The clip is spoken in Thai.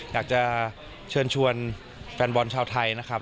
อยากจะเชิญชวนแฟนบอลชาวไทยนะครับ